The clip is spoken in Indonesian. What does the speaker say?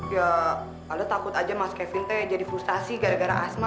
ya lalu takut aja mas kevin teh jadi frustasi gara gara asma